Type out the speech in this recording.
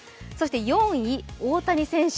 ４位、大谷選手。